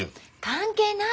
関係ない。